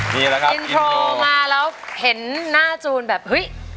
นี่แหละครับอินโทรมาแล้วเห็นหน้าจูนแบบเฮ้ย